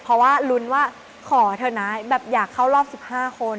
เพราะว่าลุ้นว่าขอเถอะนะแบบอยากเข้ารอบ๑๕คน